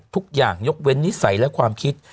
ทุกอย่างยกเว้นนิสัยและความคิด